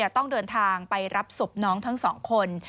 ต้องเดินทางไปรับศพน้องทั้งสองคน